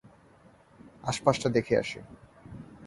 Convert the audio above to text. আশপাশটা দেখে আসি।